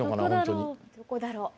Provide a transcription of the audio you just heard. どこだろう？